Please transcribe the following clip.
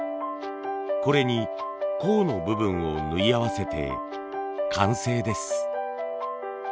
これに甲の部分を縫い合わせて完成です。